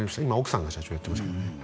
今奥さんが社長やってますけどね